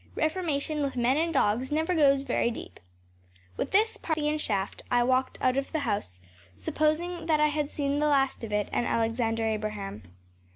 Reformation with men and dogs never goes very deep.‚ÄĚ With this Parthian shaft I walked out of the house, supposing that I had seen the last of it and Alexander Abraham.